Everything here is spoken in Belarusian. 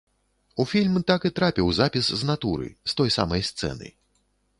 У фільм так і трапіў запіс з натуры, з той самай сцэны.